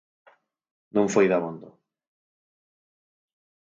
Non foi dabondo.